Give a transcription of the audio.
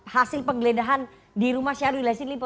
hasil penggeledahan di rumah syahrul yilasin lipo